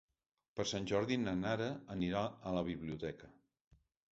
Per Sant Jordi na Nara anirà a la biblioteca.